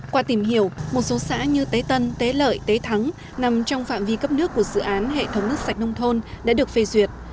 qua tìm hiểu một số xã như tế tân tế lợi tế thắng nằm trong phạm vi cấp nước của dự án hệ thống nước sạch nông thôn đã được phê duyệt